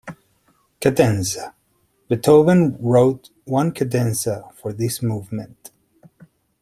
Cadenza: Beethoven wrote one cadenza for this movement.